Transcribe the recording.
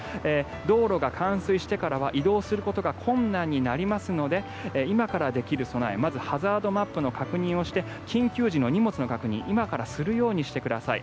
道路が冠水してからは移動することが困難になりますので今からできる備えまずハザードマップの確認をして緊急時の荷物の確認を今からするようにしてください。